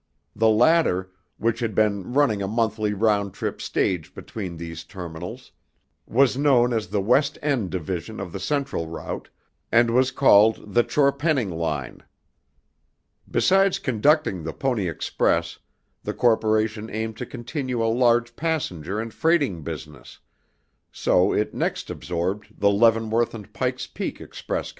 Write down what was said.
The latter, which had been running a monthly round trip stage between these terminals, was known as the West End Division of the Central Route, and was called the Chorpenning line. Besides conducting the Pony Express, the corporation aimed to continue a large passenger and freighting business, so it next absorbed the Leavenworth and Pike's Peak Express Co.